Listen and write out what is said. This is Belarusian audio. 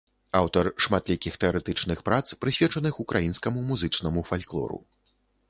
Аўтар шматлікіх тэарэтычных прац, прысвечаных украінскаму музычнаму фальклору.